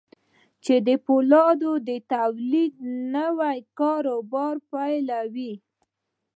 چې د پولادو د توليد نوي کاروبار به پيلوي.